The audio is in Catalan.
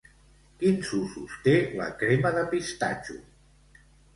Quins usos té la crema de pistatxo?